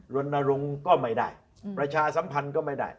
รณรงค์ก็ไม่ได้ประชาสัมพันธ์ก็ไม่ได้